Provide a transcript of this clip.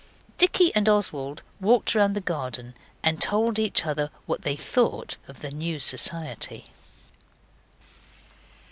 Dicky and Oswald walked round the garden and told each other what they thought of the new society.